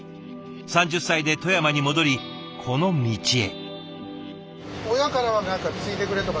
３０歳で富山に戻りこの道へ。